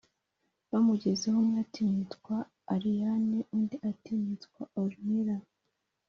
bamugezeho umwe ati"nitwa ariyane"undi ati"nitwa orinela"